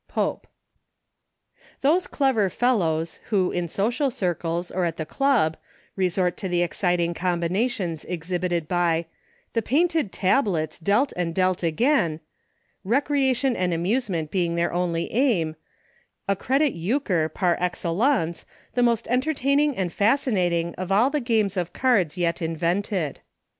'— Pope, Those clever fellows, who, in social circles, or at the club, resort to the exciting combi nations exhibited by *" The painted tablets, dealt and dealt again" — recreation and amusement being their only aim — accredit Euchre, par excellence, the most entertaining and fascinating of all the* games of cards yet invented.